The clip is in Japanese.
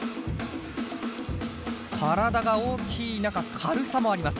体が大きい中軽さもあります。